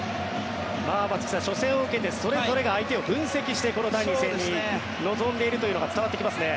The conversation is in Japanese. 松木さん、初戦を受けてそれぞれが相手を分析してこの第２戦に臨んでいるのが伝わってきますね。